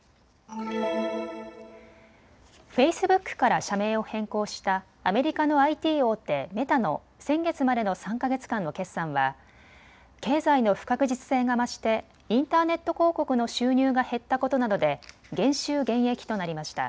フェイスブックから社名を変更したアメリカのＩＴ大手、メタの先月までの３か月間の決算は経済の不確実性が増してインターネット広告の収入が減ったことなどで減収減益となりました。